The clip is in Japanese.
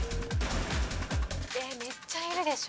めっちゃいるでしょ。